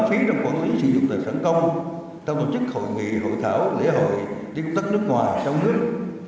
trong tổ chức hội nghị hội thảo lễ hội tri công tác nước ngoài trong nước